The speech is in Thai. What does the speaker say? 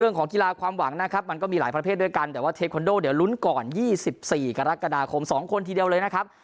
เรื่องของกีฬาความหวังนะครับมันก็มีหลายประเภทด้วยกันแต่ว่าเทควันโดเดี๋ยวลุ้นก่อน๒๔กรกฎาคม๒คนทีเดียวเลยนะครับ